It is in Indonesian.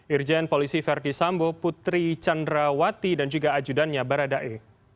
irjen polisi verdi sambo putri candrawati dan juga ajudannya baradae